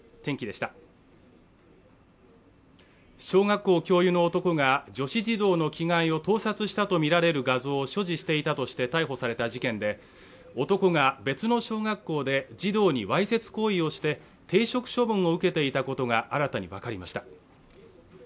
小学校教諭の男が女子児童の着替えを盗撮したとみられる画像を所持していたとして逮捕された事件で男が、別の小学校で児童にわいせつ行為をして停職処分を受けていたことが新たに分かりました。